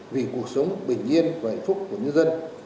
vì cuộc sống bình yên và hạnh phúc của nhân dân